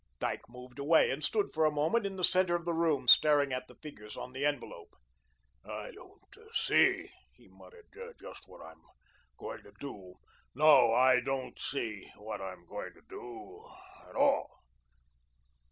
Dyke moved away and stood for a moment in the centre of the room, staring at the figures on the envelope. "I don't see," he muttered, "just what I'm going to do. No, I don't see what I'm going to do at all."